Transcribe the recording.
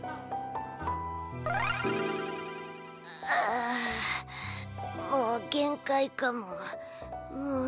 ああもう限界かも。